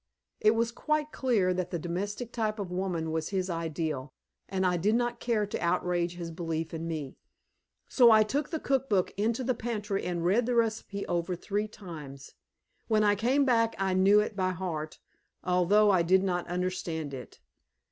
It was quite clear that the domestic type of woman was his ideal, and I did not care to outrage his belief in me. So I took the cook book into the pantry and read the recipe over three times. When I came back I knew it by heart, although I did not understand it.